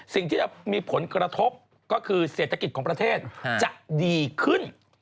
สิ่งที่จะมีผลกระทบก็คือเศรษฐกิจของประเทศจะดีขึ้น